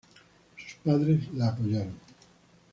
Sus padres la apoyaron.